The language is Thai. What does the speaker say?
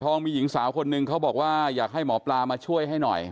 มีหญิงสาวคนนึงเขาบอกว่าอยากให้หมอปลามาช่วยให้หน่อย